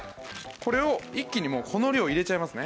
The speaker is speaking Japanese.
これを一気にこの量入れちゃいますね。